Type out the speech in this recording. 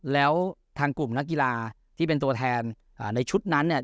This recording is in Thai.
แล้วทางกลุ่มนักกีฬาที่เป็นตัวแทนในชุดนั้นเนี่ย